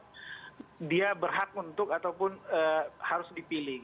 karena dia berhak untuk ataupun harus dipilih